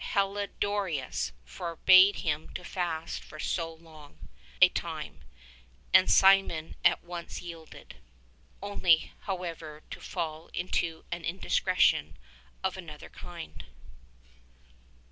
Heliodorus forbade him to fast for sO' long a time, and Simeon at once yielded — only however to fall into an indiscretion of another kind.